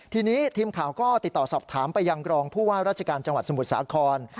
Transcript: ทีนี้ทีมข่าวก็ติดต่อสอบถามไปยังกรองผู้ว่าราชการจังหวัดสมุทรสาคร